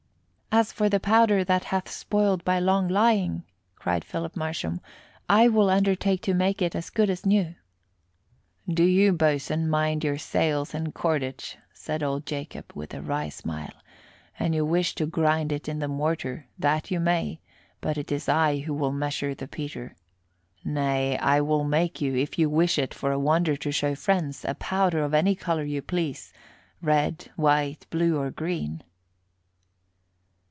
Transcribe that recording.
"As for the powder that hath spoiled by long lying," cried Philip Marsham, "I will undertake to make it as good as new." "Do you, boatswain, mind your sails and cordage," said old Jacob, with a wry smile. "An you wish to grind it in the mortar, that you may; but it is I who will measure the petre. Nay, I will make you, if you wish it for a wonder to show friends, a powder of any colour you please white, red, blue, or green."